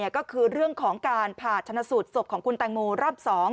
ก็คือเรื่องของการผ่าชนะสูตรศพของคุณแตงโมรอบ๒